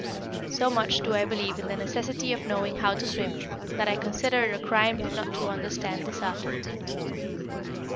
So much do I believe in the necessity of knowing how to swim, that I consider it a crime not to understand this art.